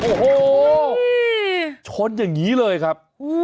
โอ้โหชนอย่างนี้เลยครับ